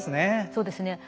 そうですね。